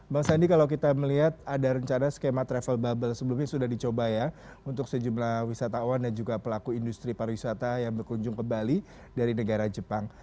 bang sandi kalau kita melihat ada rencana skema travel bubble sebelumnya sudah dicoba ya untuk sejumlah wisatawan dan juga pelaku industri pariwisata yang berkunjung ke bali dari negara jepang